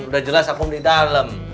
udah jelas hukum di dalam